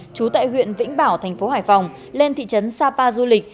trú tại huyện vĩnh bảo thành phố hải phòng lên thị trấn sapa du lịch